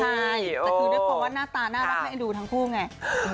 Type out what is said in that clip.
มันคือด้วยความว่าหน้าตาหน้ารักดูทั้งคู่ไง